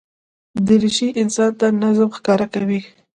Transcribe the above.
دریشي انسان ته نظم ښکاره کوي.